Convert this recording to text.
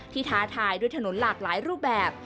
ท้าทายด้วยถนนหลากหลายรูปแบบ